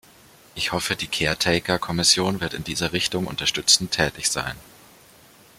Ich hoffe, die Caretaker -Kommission wird in dieser Richtung unterstützend tätig sein.